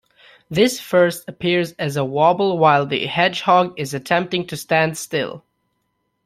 This first appears as a wobble while the hedgehog is attempting to stand still.